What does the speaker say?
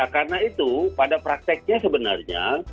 karena itu pada prakteknya sebenarnya